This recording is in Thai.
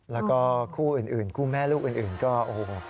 แล้วก็คู่อื่นคู่แม่ลูกอื่นก็โอ้โห